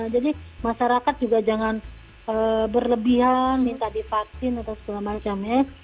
jadi masyarakat juga jangan berlebihan minta divaksin atau segala macam ya